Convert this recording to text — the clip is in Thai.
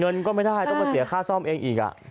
เงินก็ไม่ได้ต้องมาเสียค่าซ่อมเองอีก